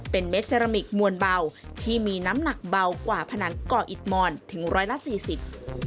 เป็นเม็ดเซรามิกมวลเบาที่มีน้ำหนักเบากว่าผนังก่ออิตมอนถึง๑๔๐บาท